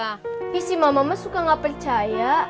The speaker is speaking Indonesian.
tapi si mamamu suka gak percaya